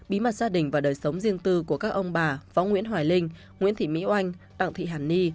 bí mật gia đình và đời sống riêng tư của các ông bà võ nguyễn hoài linh nguyễn thị mỹ oanh đặng thị hàn ni